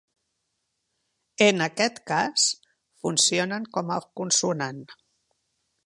En aquest cas funcionen com a consonant.